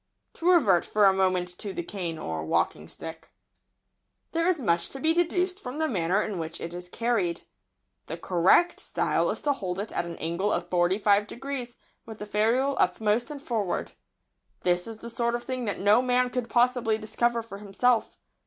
To revert for a moment to the cane, or walking stick. [Sidenote: The stick.] There is much to be deduced from the manner in which it is carried. The correct style is to hold it at an angle of forty five degrees, with the ferule uppermost and forward. This is the sort of thing that no man could possibly discover for himself.